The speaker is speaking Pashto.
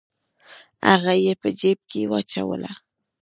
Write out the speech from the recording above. هغه یې په جیب کې واچوله.